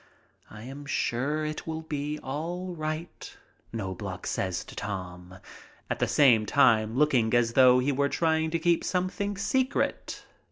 "I am sure it will be all right," Knobloch says to Tom, at the same time looking as though he were trying to keep something secret.